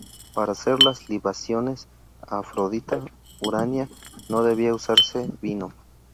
Para hacer las libaciones a "Afrodita Urania" no debía usarse vino.